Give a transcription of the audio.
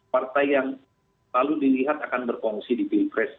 partai yang selalu dilihat akan berfungsi di pilpres